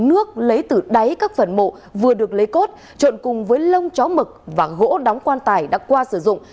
lại được điều chế từ nước lấy từ đáy các phần mộ vừa được lấy cốt trộn cùng với lông chó mực và gỗ đóng quan tài đã qua sử dụng